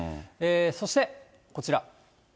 そしてこちら。